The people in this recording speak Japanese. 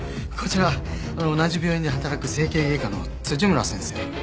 こちら同じ病院で働く整形外科の辻村先生。